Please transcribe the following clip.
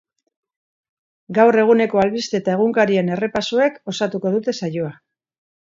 Gaur eguneko albiste eta egunkarien errepasoek osatuko dute saioa.